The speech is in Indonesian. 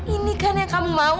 ini kan yang kami mau